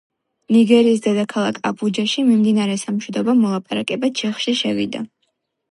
ნიგერიის დედაქალაქ აბუჯაში მიმდინარე სამშვიდობო მოლაპარაკება ჩიხში შევიდა.